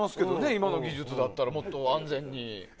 今の技術だったらもっと安全に。